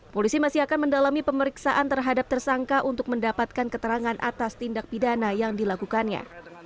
polisi masih akan mendalami pemeriksaan terhadap tersangka untuk mendapatkan keterangan atas tindak pidana yang dilakukannya